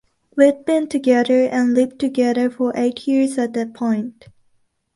We'd been together, and lived together for eight years at that point.